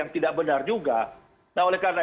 tidak benar juga nah oleh karena